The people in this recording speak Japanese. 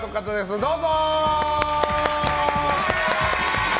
どうぞ。